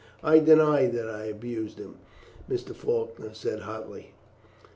"I deny that I abused him," Mr. Faulkner said hotly.